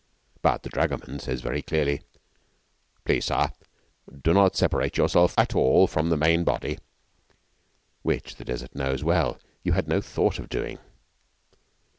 But the dragoman says very clearly: 'Please, sar, do not separate yourself at all from the main body,' which, the Desert knows well, you had no thought of doing.